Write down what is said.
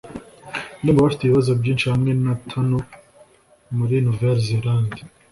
Ndumva bafite ibibazo byinshi hamwe na tunel muri NouvelleZélande